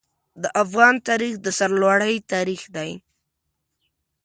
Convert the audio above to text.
د افغان تاریخ د سرلوړۍ تاریخ دی.